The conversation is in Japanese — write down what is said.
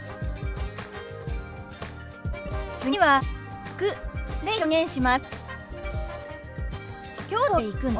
次は「行く」で表現します。